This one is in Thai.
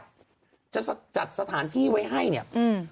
เขาจัดสถานที่ไว้ให้เนี่ย